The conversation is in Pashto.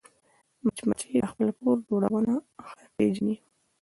مچمچۍ د خپل کور جوړونه ښه پېژني